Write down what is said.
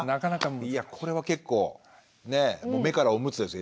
いやこれは結構ね目からオムツですよ。